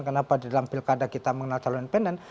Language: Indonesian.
kenapa di dalam pilkada kita mengenal calon independen